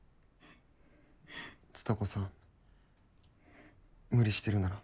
蔦子さん無理してるなら。